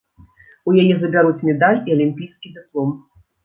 У яе забяруць медаль і алімпійскі дыплом.